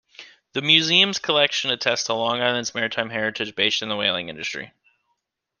The Museum's collection attests to Long Island's maritime heritage based in the whaling industry.